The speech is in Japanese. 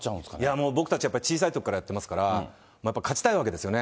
もう、僕たち、小さいときから打ってますから、勝ちたいわけですよね。